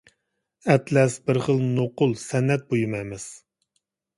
ئەتلەس بىر خىل نوقۇل سەنئەت بۇيۇمى ئەمەس.